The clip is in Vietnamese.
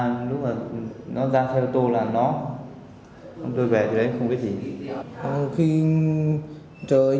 nó ra xe ô tô là nó tôi về rồi đấy không biết sao